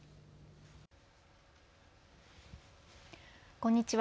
こんにちは。